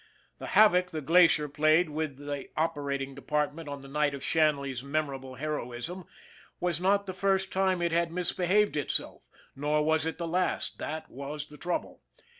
The havoc the Glacier played with the operating depart ment on the night of Shanley's memorable heroism was not the first time it had misbehaved itself, nor was it the last that was the trouble.